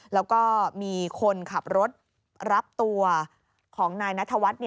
แล้วก็มีคนขับรถรับตัวของนายนัทวัฒน์